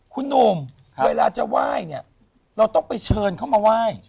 คุณหนุ่มเวลาจะไหว้เนี่ยเราต้องไปเชิญเข้ามาไหว้